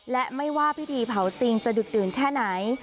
และไม่ว่าพิธีเผาจริงจะดุดดื่นแค่ไหน